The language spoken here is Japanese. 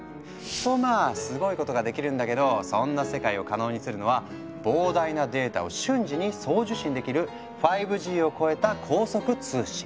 とまあすごいことができるんだけどそんな世界を可能にするのは膨大なデータを瞬時に送受信できる５Ｇを超えた高速通信。